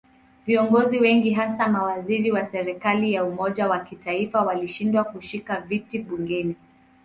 Viongozi wengi hasa mawaziri wa serikali ya umoja wa kitaifa walishindwa kushika viti bungeni.